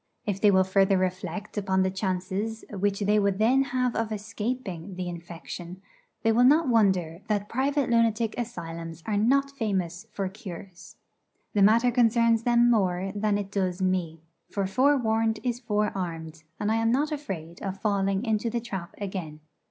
If they will further reflect upon the chances which they would then have of escaping the infection, they will not wonder that private lunatic asylums are not famous for cures. The matter concerns them more than it does me; for forewarned is forearmed, and I am not afraid of falling into the trap again.